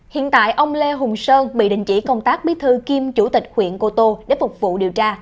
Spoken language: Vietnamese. hiện tại ông lê hùng sơn bị đình chỉ công tác bí thư kiêm chủ tịch huyện cô tô để phục vụ điều tra